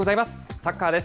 サッカーです。